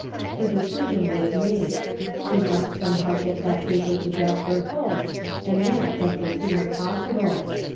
Her decision was made. She must some how get that paper to Jasper Holt, and that just as soon as ix)ssible.